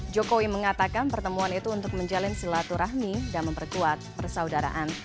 jokowi mengatakan pertemuan itu untuk menjalin silaturahmi dan memperkuat persaudaraan